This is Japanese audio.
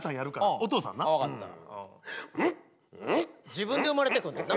自分で生まれてくんねんな。